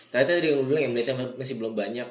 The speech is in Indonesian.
ternyata ada yang melihatnya masih belum banyak